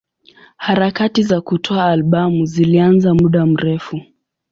Harakati za kutoa albamu zilianza muda mrefu.